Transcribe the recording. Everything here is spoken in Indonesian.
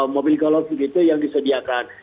mobil galop gitu yang disediakan